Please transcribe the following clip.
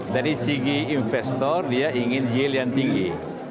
dari segi investor dia ingin yield yang tinggi